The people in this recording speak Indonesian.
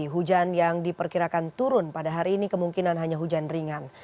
hujan yang diperkirakan turun pada hari ini kemungkinan hanya hujan ringan